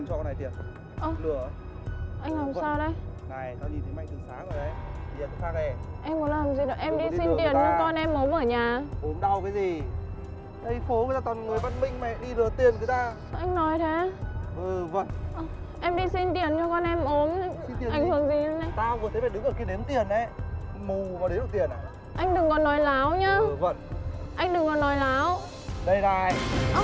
anh thường phải đấy